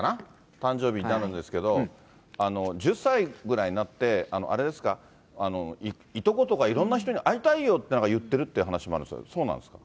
誕生日になるんですけど、１０歳ぐらいになって、あれですか、いとことかいろんな人に会いたいよって、なんか言ってるっていう話もあるんですけど、そうなんですか。